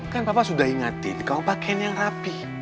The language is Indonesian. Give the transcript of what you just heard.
kan papa sudah ingatin kamu pakaian yang rapi